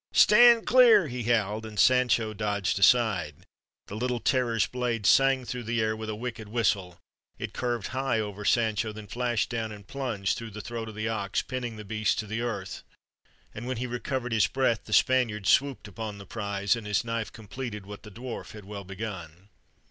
"Stand clear!" he howled, and Sancho dodged aside. The little terror's blade sang through the air with a wicked whistle; it curved high over Sancho, then flashed down and plunged through the throat of the ox, pinning the beast to the earth. And when he recovered his breath the Spaniard swooped upon the prize, and his knife completed what the dwarf had well begun.